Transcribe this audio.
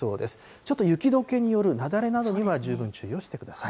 ちょっと、雪どけによる雪崩などには十分注意をしてください。